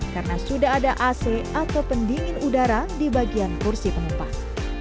karena sudah ada ac atau pendingin udara di bagian kursi penumpang